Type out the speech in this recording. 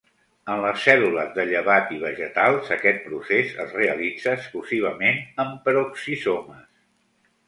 En les cèl·lules de llevat i vegetals, aquest procés es realitza exclusivament en peroxisomes.